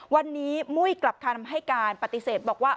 วันนี้มุ้ยกลับคำให้การปฏิเสธบอกว่า